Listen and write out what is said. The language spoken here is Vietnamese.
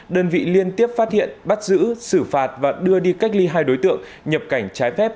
đơn vị liên tiếp phát hiện bắt giữ xử phạt và đưa đi cách ly hai đối tượng nhập cảnh trái phép